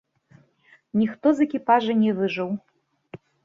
Ніхто з экіпажа не выжыў.